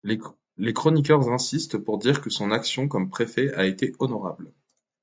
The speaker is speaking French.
Les chroniqueurs insistent pour dire que son action comme préfet a été honorable.